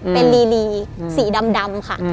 เป็นลีสีดำค่ะ